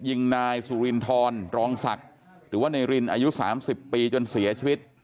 ยิงนายสุรินทรรองศักดิ์หรือว่านายรินอายุ๓๐ปีจนเสียชีวิต